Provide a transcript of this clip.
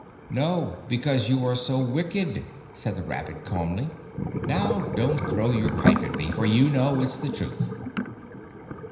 "No, because you are so wicked," said the rabbit calmly. "Now, don't throw your pipe at me, for you know it's the truth."